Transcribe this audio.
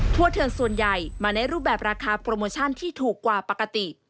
เถื่อนส่วนใหญ่มาในรูปแบบราคาโปรโมชั่นที่ถูกกว่าปกติ